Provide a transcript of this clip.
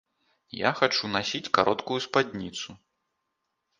Я хачу насіць кароткую спадніцу.